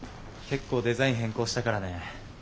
結構デザイン変更したからね。